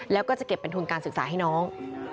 แล้วก็จะเก็บเป็นทุนการศึกษาให้น้อง